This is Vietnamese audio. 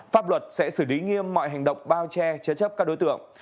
pháp luật sẽ xử lý nghiêm mọi hành động bao che chế chấp các đối tượng